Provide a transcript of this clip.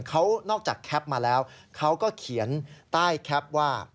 เขานอกจากแคปมาแล้วเขาก็เขียนใต้แคปว่า